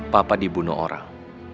papa dibunuh orang